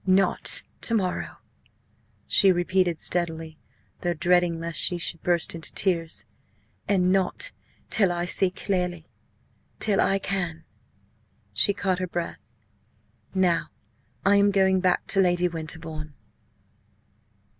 "Not to morrow," she repeated steadily, though dreading lest she should burst into tears, "and not till I see clearly till I can " She caught her breath. "Now I am going back to Lady Winterbourne."